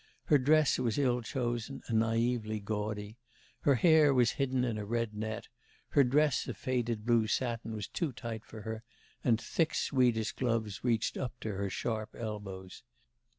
Her dress was ill chosen and naively gaudy; her hair was hidden in a red net, her dress of faded blue satin was too tight for her, and thick Swedish gloves reached up to her sharp elbows.